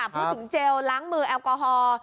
เจลล้างมือแอลกอฮอล์